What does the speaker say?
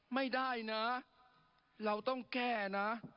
ไม่ได้นะเราต้องแก้นะ